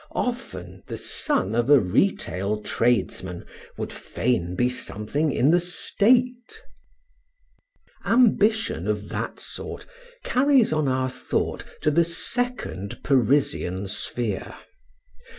Often the son of a retail tradesman would fain be something in the State. Ambition of that sort carries on our thought to the second Parisian sphere.